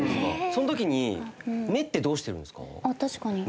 その時に目ってどうしてるんですか？